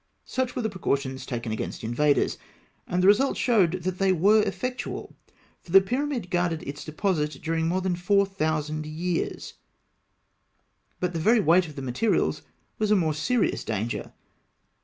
Such were the precautions taken against invaders; and the result showed that they were effectual, for the pyramid guarded its deposit during more than four thousand years (Note 28). But the very weight of the materials was a more serious danger.